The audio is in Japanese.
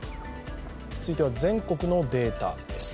続いては全国のデータです。